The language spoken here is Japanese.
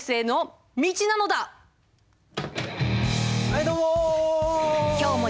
はいどうも！